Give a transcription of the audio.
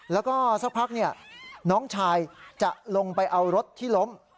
แล้วก็สักพักน้องชายจะลงไปเอารถที่ล้ม